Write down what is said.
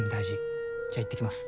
じゃあいってきます。